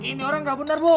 ini orang gak benar bu